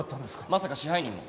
まさか支配人も？